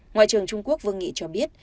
ngoại trưởng trung quốc vương nghị cho biết